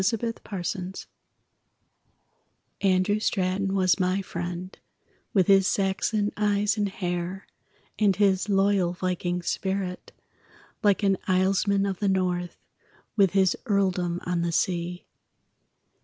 _ ANDREW STRATON Andrew Straton was my friend, With his Saxon eyes and hair, And his loyal viking spirit, Like an islesman of the North With his earldom on the sea.